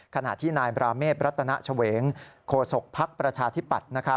ขณะที่นายบราเมฆประชาธิปัตย์โฆษกภักดิ์ประชาธิปัตย์